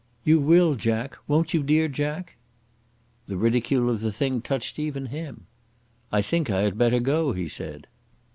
"You will, Jack; won't you, dear Jack?" The ridicule of the thing touched even him. "I think I had better go," he said.